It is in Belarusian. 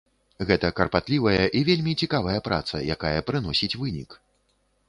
Гэта карпатлівая і вельмі цікавая праца, якая прыносіць вынік.